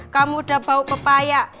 kamu udah bau pepaya